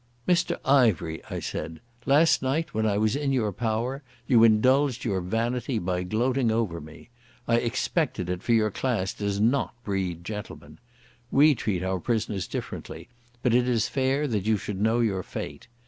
"Mr Ivery," I said, "last night, when I was in your power, you indulged your vanity by gloating over me. I expected it, for your class does not breed gentlemen. We treat our prisoners differently, but it is fair that you should know your fate.